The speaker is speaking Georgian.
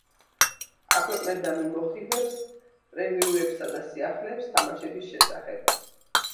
აქვეყნებდა მიმოხილვებს, პრევიუებსა და სიახლეებს თამაშების შესახებ.